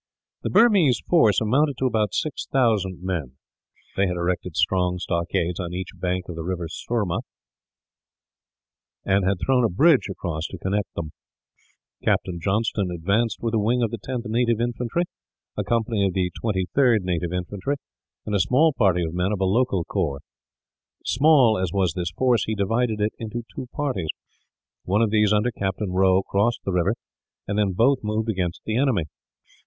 The Burmese force amounted to about six thousand men. They had erected strong stockades on each bank of the river Surma, and had thrown a bridge across to connect them. Captain Johnston advanced with a wing of the 10th Native Infantry, a company of the 23rd Native Infantry, and a small party of men of a local corps. Small as was this force, he divided it into two parties. One of these, under Captain Rowe, crossed the river; and then both moved against the enemy.